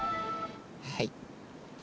はい。